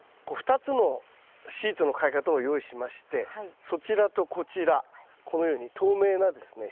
２つのシートのかけ方を用意しましてそちらとこちらこのように透明なですね